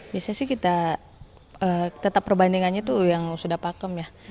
biasanya sih kita tetap perbandingannya tuh yang sudah pakem ya